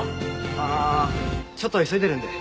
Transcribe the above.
あちょっと急いでるんで。